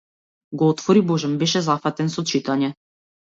Го отвори, божем беше зафатен со читање.